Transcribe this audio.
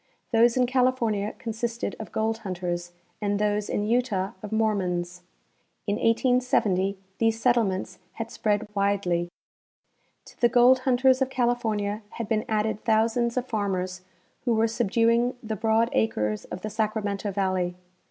Those in California consisted of gold hunters and those in Utah of Mormons. In 1870 these settlements had spread widely. To the gold hunters of California had been added thousands of farmers who were subduing the broad acres of the Sacramento valley.